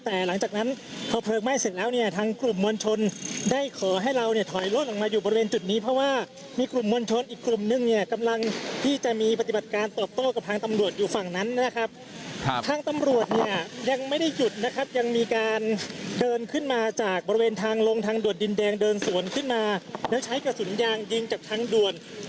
แต่หลังจากนั้นพอเผลงไม่เสร็จแล้วเนี้ยทางกลุ่มมวลชนได้ขอให้เราเนี้ยถอยรถออกมาอยู่บริเวณจุดนี้เพราะว่ามีกลุ่มมวลชนอีกกลุ่มหนึ่งเนี้ยกำลังที่จะมีปฏิบัติการตอบโต้กับทางตำลวดอยู่ฝั่งนั้นนะครับครับทางตำลวดเนี้ยยังไม่ได้หยุดนะครับยังมีการเดินขึ้นมาจากบริเวณทางลงทางดว